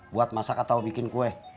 buat masak atau bikin kue